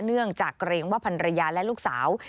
เนื่องจากเกรงว่าพันรยาและลูกสาว